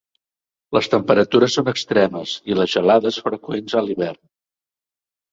Les temperatures són extremes, i les gelades freqüents a l'hivern.